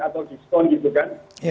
atau diskon gitu kan